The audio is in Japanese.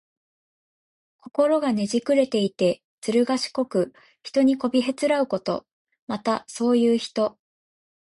心がねじくれていて、ずるがしこく、人にこびへつらうこと。また、そういう人。